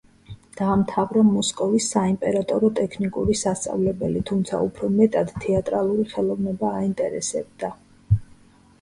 დაამთავრა მოსკოვის საიმპერატორო ტექნიკური სასწავლებელი, თუმცა უფრო მეტად თეატრალური ხელოვნება აინტერესებდა.